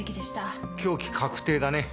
凶器確定だね。